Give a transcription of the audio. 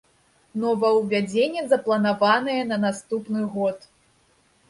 Новаўвядзенне запланаванае на наступны год.